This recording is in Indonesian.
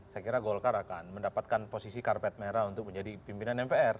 saya kira golkar akan mendapatkan posisi karpet merah untuk menjadi pimpinan mpr